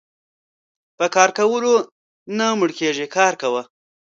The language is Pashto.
په کار کولو نه مړکيږي کار کوه .